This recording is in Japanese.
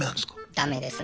ダメですね。